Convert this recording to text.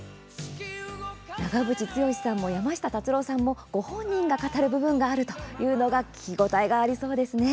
長渕剛さんも山下達郎さんもご本人が語る部分もあるというのが聞き応えたっぷりの番組になりそうです。